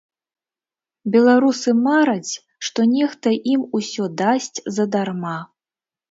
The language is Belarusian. Беларусы мараць, што нехта ім усё дасць задарма.